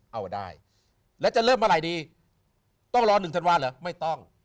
เอาได้แล้วจะเริ่มเมื่อไหร่ดีต้องรอ๑ธันวาลเหรอไม่ต้อง